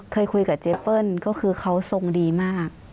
เคยคุยกับเจเปิ้ลก็คือเขาทรงดีมาก